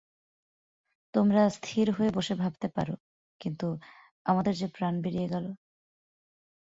তোমরা স্থির হয়ে বসে ভাবতে পার, কিন্তু আমাদের যে প্রাণ বেরিয়ে গেল।